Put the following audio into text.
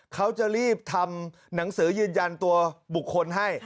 เขาจะรีบทำหนังสือยืนยันตัวบุคคลให้